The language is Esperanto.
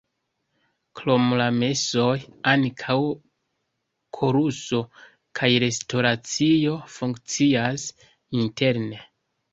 Krom la mesoj ankaŭ koruso kaj restoracio funkcias interne.